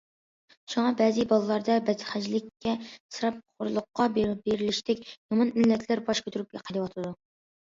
شۇڭا بەزى بالىلاردا بەتخەجلىككە، ئىسراپخورلۇققا بېرىلىشتەك يامان ئىللەتلەر باش كۆتۈرۈپ قېلىۋاتىدۇ.